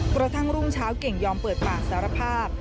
กระทั่งรุ่งเช้าเก่งยอมเปิดปากสารภาพ